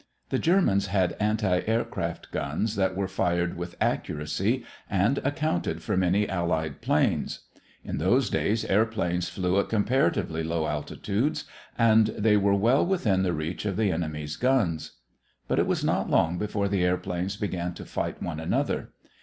The Germans had anti aircraft guns that were fired with accuracy and accounted for many Allied planes. In those days, airplanes flew at comparatively low altitudes and they were well within the reach of the enemy's guns. But it was not long before the airplanes began to fight one another.